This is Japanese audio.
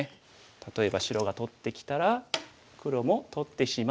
例えば白が取ってきたら黒も取ってしまえばどうでしょう？